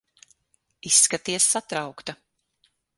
Izskaties satraukta.